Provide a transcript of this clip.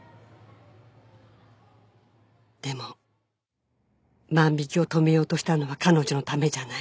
「でも万引を止めようとしたのは彼女のためじゃない」